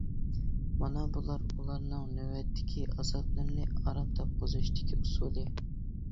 مانا بۇلار ئۇلارنىڭ نۆۋەتتىكى ئازابلىرىنى ئارام تاپقۇزۇشتىكى ئۇسۇلى.